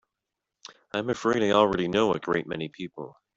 I'm afraid I already know a great many people.